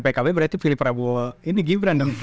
berarti kadar pkb berarti filip prabowo ini gibran dong